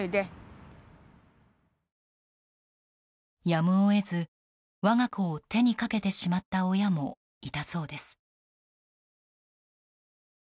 やむを得ず我が子を手にかけてしまった親もいたそうです。